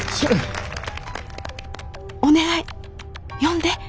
お願い呼んで！